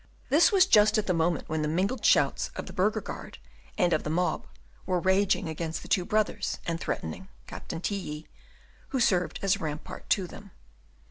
This was just at the very moment when the mingled shouts of the burgher guard and of the mob were raging against the two brothers, and threatening Captain Tilly, who served as a rampart to them.